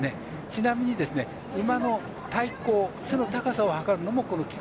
ちなみに、馬の体高、背の高さをはかるのもこのキ